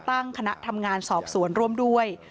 ตั้งคณะทำงานสอบสวนร่วมด้วย